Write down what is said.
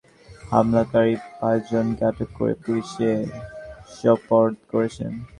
স্থানীয় লোকজন ঘেরাও করে হামলাকারী পাঁচজনকে আটক করে পুলিশে সোপর্দ করেছে।